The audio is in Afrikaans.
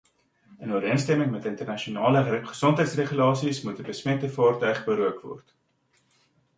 In ooreenstemming met internasionale gesondheidsregulasies, moet 'n besmette vaartuig berook word.